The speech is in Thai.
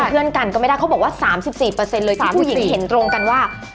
เพื่อนกันก็ไม่ได้เขาบอกว่า๓๔เลย๓ผู้หญิงเห็นตรงกันว่า